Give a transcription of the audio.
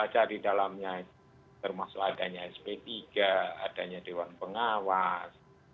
jadi dalamnya termasuk adanya sp tiga adanya dewan pengawas